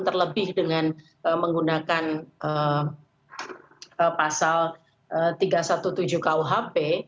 terlebih dengan menggunakan pasal tiga ratus tujuh belas kuhp